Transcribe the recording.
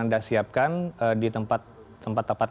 anda siapkan di tempat tempat